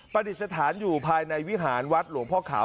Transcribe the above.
ดิษฐานอยู่ภายในวิหารวัดหลวงพ่อขาว